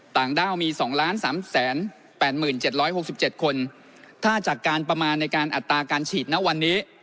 ต่างด้าวมีสองล้านสามแสนแปดหมื่นเจ็ดร้อยหกสิบเจ็ดคนถ้าจากการประมาณในการอัตราการฉีดนะวันนี้